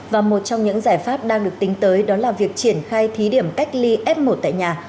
và một trong những giải pháp đang được tính tới đó là việc triển khai thí điểm cách ly f một tại nhà